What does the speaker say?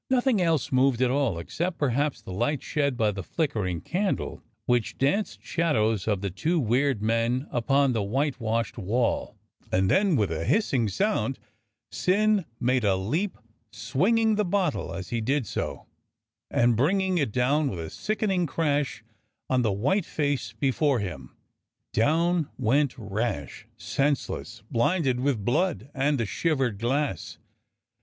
Nothing else moved at all, except perhaps the light shed by the flickering candle, which danced shadows of the two weird men upon the whitewashed v/alL And then with a hissing sound Syn made a leap, swinging the bottle as he did so, and bringing it down with a sicken ing crash on the white face before him. Down went Rash, senseless, blinded with blood and the shivered glass.